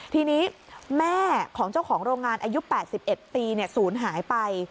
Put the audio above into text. ทีนี้แม่ของเจ้าของโรงงานอายุ๘๑ปีศูนย์หายไป